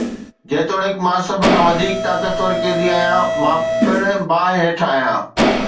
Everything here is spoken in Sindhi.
جيتوڻيڪ مان سڀ کان وڌيڪ طاقتور قيدي آهيان، مان پڻ باهه هيٺ آهيان